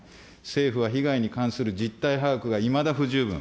政府は被害に関する実態把握がいまだ不十分。